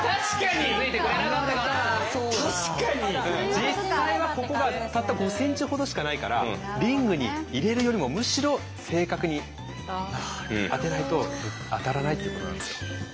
実際はここがたった５ｃｍほどしかないからリングに入れるよりもむしろ正確に当てないと当たらないっていうことなんですよ。